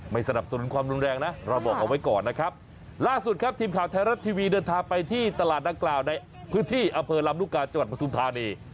สนับสนุนความรุนแรงนะเราบอกเอาไว้ก่อนนะครับล่าสุดครับทีมข่าวไทยรัฐทีวีเดินทางไปที่ตลาดดังกล่าวในพื้นที่อำเภอลำลูกกาจังหวัดปทุมธานี